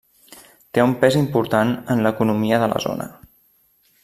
Té un pes important en l'economia de la zona.